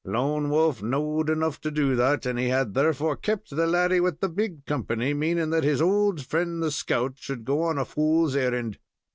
Lone Wolf knowed enough to do that, and he had therefore kept the laddy with the big company, meaning that his old friend, the scout, should go on a fool's errand.